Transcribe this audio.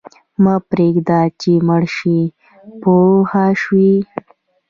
مه پرېږده چې مړ شې پوه شوې!.